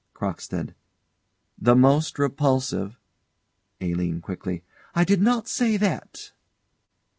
CROCKSTEAD. The most repulsive ALINE. [Quickly.] I did not say that.